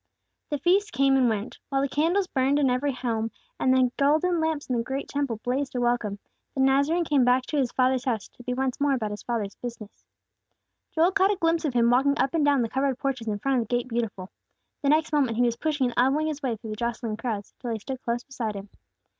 The feast came and went. While the candles burned in every home, and the golden lamps in the great Temple blazed a welcome, the Nazarene came back to His Father's house, to be once more about His Father's business. Joel caught a glimpse of Him walking up and down the covered porches in front of the Gate Beautiful. The next moment he was pushing and elbowing his way through the jostling crowds, till he stood close beside Him.